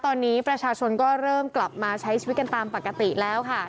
ตอนนี้ประชาชนก็เริ่มกลับมาใช้ชีวิตกันตามปกติแล้วค่ะ